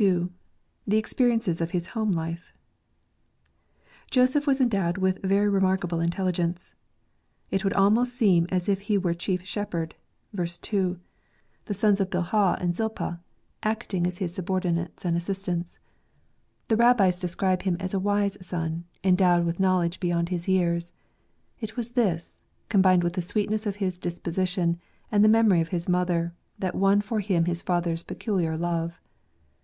II. The experiences of his home life.— Joseph was endowed with very remarkable intelligence. It would almost seem as if he were chief shepherd (ver. 2), the sons of %\jz Coat of JltattiT Colours. 13 Bilhah and Zilpah acting as his subordinates and assistants. The Rabbis describe him as a wise son, endowed with knowledge beyond his years. It was this, combined with the sweetness of his disposition, and the memory of his mother, that won for him his father's peculiar love.